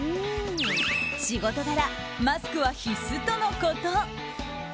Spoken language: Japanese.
仕事柄、マスクは必須とのこと。